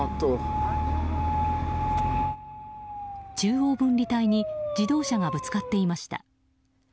中央分離帯に自動車がぶつかっていました。